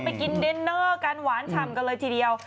ไปกินเดนเนอร์กันหวานฉ่ำกันเลยทีเดียว